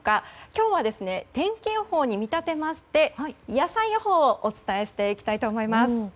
今日は天気予報に見立てまして野菜予報をお伝えしていきたいと思います。